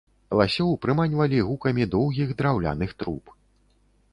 Ласёў прыманьвалі гукамі доўгіх драўляных труб.